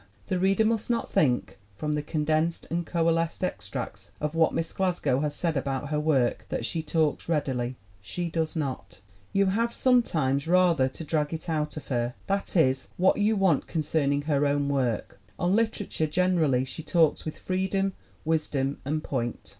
The reader must not think from the condensed and coalesced extracts of what Miss Glasgow has said about her work that she talks readily. She does not. You have, sometimes, rather to drag it out of her that is, what you want concern ELLEN GLASGOW 33 ing her own work. On literature generally she talks with freedom, wisdom and point.